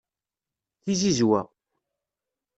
Tizizwa